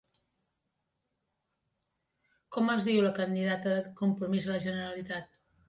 Com es diu la candidata de Compromís a la Generalitat?